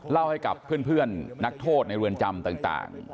เล่าให้กับเพื่อนนักโทษในเรือนจำต่าง